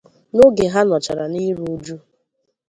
na oge ha nọchara n'iru uju.